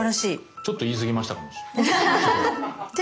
ちょっと言い過ぎましたかもしれない。